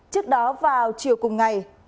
trước đó vào chiều cùng ngày